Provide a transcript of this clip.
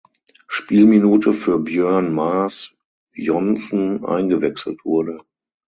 Spielminute für Björn Maars Johnsen eingewechselt wurde.